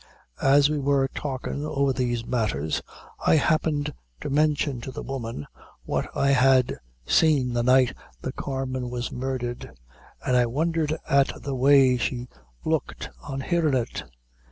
As we wor talkin' over these matthers, I happened to mention to the woman what I had seen the night the carman was murdhered, and I wondhered at the way she looked on hearin' it.